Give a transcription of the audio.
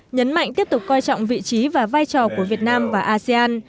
nhấn mạnh tiếp tục coi trọng vị trí và vai trò của việt nam và asean